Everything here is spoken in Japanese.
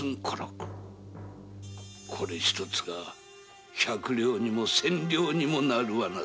これ一つが百両にも千両にもなるわな